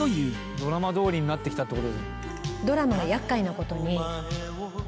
「ドラマどおりになってきたって事」